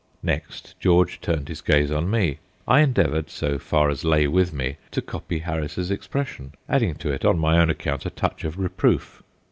Next, George turned his gaze on me. I endeavoured, so far as lay with me, to copy Harris's expression, adding to it on my own account a touch of reproof.